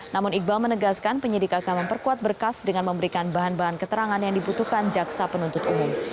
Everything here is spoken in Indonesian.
namun iqbal menegaskan penyidik akan memperkuat berkas dengan memberikan bahan bahan keterangan yang dibutuhkan jaksa penuntut umum